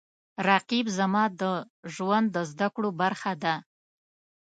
رقیب زما د ژوند د زده کړو برخه ده